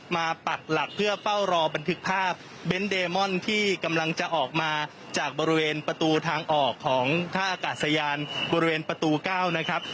ปักหลักเพื่อเฝ้ารอบันทึกภาพเบนท์เดมอนที่กำลังจะออกมาจากบริเวณประตูทางออกของท่าอากาศยานบริเวณประตู๙นะครับ